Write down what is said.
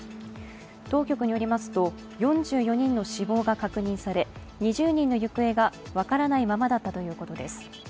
当局によりますと、４４人の死亡が確認され２０人の行方が分からないままだったということです。